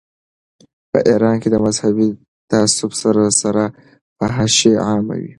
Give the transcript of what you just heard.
په ایران کې د مذهبي تعصب سره سره فحاشي عامه وه.